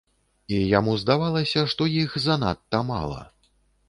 І яму здавалася, што іх занадта мала.